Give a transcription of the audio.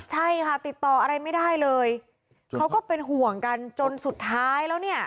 ใช่ค่ะติดต่ออะไรไม่ได้เลยเขาก็เป็นห่วงกันจนสุดท้ายแล้วเนี่ย